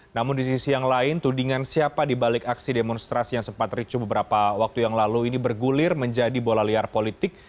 namun di sisi yang lain tudingan siapa dibalik aksi demonstrasi yang sempat ricu beberapa waktu yang lalu ini bergulir menjadi bola liar politik